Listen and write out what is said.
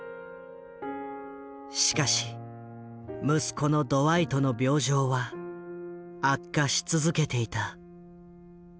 しかし息子のドワイトの病状は悪化し続けていた。